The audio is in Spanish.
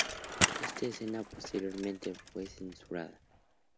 Esta escena posteriormente fue censurada.